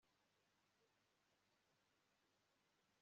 ba bantu uko ari magana atatu